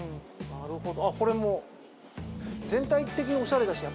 なるほど！